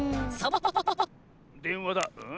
でんわだ。